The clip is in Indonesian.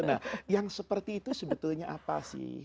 nah yang seperti itu sebetulnya apa sih